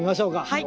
はい。